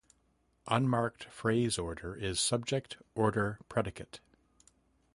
Unmarked phrase order is subject-object-predicate.